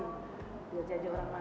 belajar jadi orang manfaat